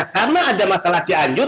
karena ada masalah keanjur